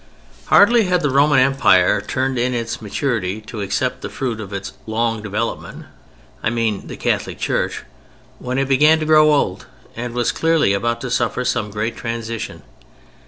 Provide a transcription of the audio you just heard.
Hardly had the Roman Empire turned in its maturity to accept the fruit of its long development (I mean the Catholic Church), when it began to grow old and was clearly about to suffer some great transition.